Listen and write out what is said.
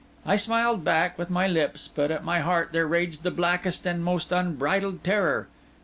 I smiled back with my lips, but at my heart there raged the blackest and most unbridled terror.